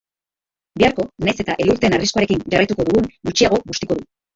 Biharko, nahiz eta elurteen arriskuarekin jarraituko dugun, gutxiago bustiko du.